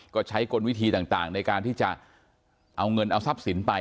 ก็ใช้กลวิธีต่างในการที่จะเอาเงินเอาทรัพย์สินไป